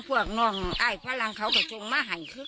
ทุกคนก็ซื้อ